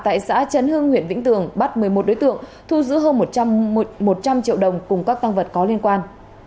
tại xã trấn hưng huyện vĩnh tường bắt một mươi một đối tượng thu giữ hơn một trăm linh triệu đồng cùng các tăng vật có liên quan